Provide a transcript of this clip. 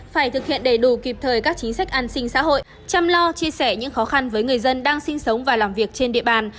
phải thực hiện đầy đủ kịp thời các chính sách an sinh xã hội chăm lo chia sẻ những khó khăn với người dân đang sinh sống và làm việc trên địa bàn